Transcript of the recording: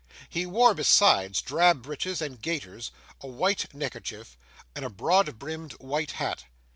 He wore, besides, drab breeches and gaiters, a white neckerchief, and a broad brimmed white hat.